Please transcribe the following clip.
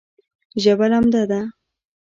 ژبه لمده ده